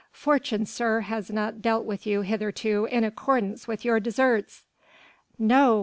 "Fortune, sir, has not dealt with you hitherto in accordance with your deserts." "No!